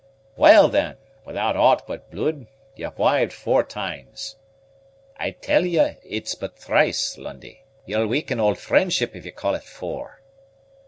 "Well, then, without aught but bluid, ye've wived four times " "I tall ye but thrice, Lundie. Ye'll weaken auld friendship if ye call it four."